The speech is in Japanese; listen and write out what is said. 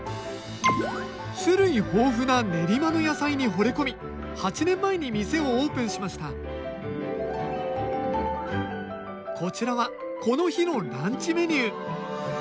種類豊富な練馬の野菜にほれ込み８年前に店をオープンしましたこちらはこの日のランチメニュー。